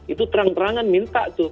itu terang terangan minta tuh